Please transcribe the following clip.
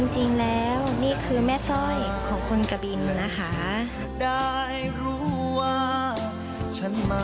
จริงแล้วนี่คือแม่สร้อยของคนกะบินนะคะ